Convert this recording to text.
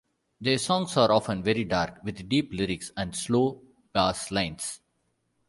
Their songs are often very dark, with deep lyrics and slow bass lines.